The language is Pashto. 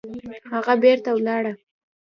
هغه بېرته ولاړه